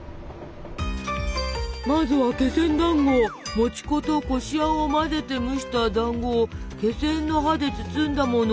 まずはもち粉とこしあんを混ぜて蒸しただんごをけせんの葉で包んだもの。